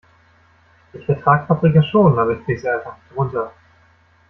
Ich vertrag Paprika schon, aber ich krieg sie einfach nicht runter.